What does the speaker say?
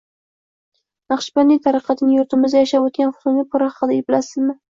Naqshbandiya tariqatining yurtimizda yashab oʻtgan soʻnggi piri haqida bilasizmi?